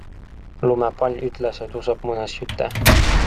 Lumepall ütles, et usub muinasjutte.